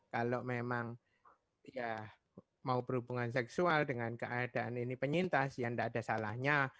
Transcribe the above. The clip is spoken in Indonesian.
kalau memang ya mau berhubungan seksual dengan keadaan ini penyintas ya tidak ada salahnya